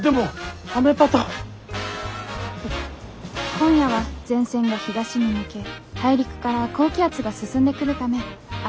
「今夜は前線が東に抜け大陸から高気圧が進んでくるため」。